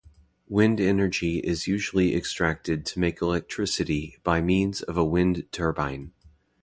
Wind energy is usually extracted to make electricity by means of a wind turbine.